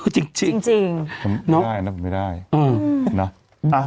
จริงจริงจริงจริงไม่ได้น่ะไม่ได้อืมน่ะอ่ะ